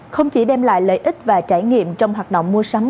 không chỉ đem lại lợi ích và trải nghiệm trong hoạt động mua sắm